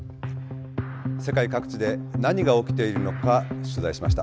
世界各地で何が起きているのか取材しました。